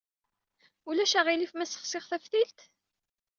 Ulac aɣilif ma ssexsiɣ taftilt?